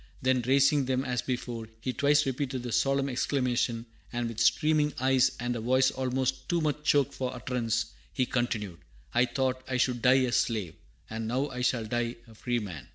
Then raising them as before, he twice repeated the solemn exclamation, and with streaming eyes and a voice almost too much choked for utterance, he continued, "I thought I should die a slave, and now I shall die a free man!"